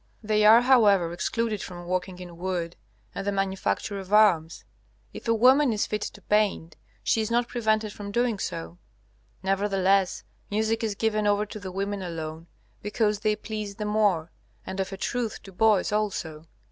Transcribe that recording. They are, however, excluded from working in wood and the manufacture of arms. If a woman is fit to paint, she is not prevented from doing so; nevertheless, music is given over to the women alone, because they please the more, and of a truth to boys also.